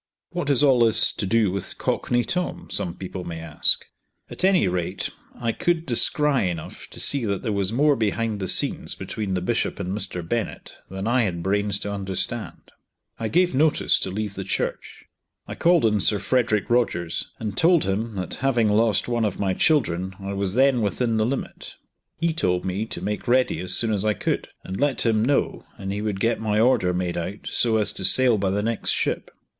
"What has all this to do with Cockney Tom?" some people may ask. At any rate I could descry enough to see that there was more behind the scenes between the Bishop and Mr. Bennett than I had brains to understand. I gave notice to leave the church. I called on Sir Frederick Rogers and told him that having lost one of my children I was then within the limit. He told me to make ready as soon as I could, and let him know, and he would get my order made out so as to sail by the next ship.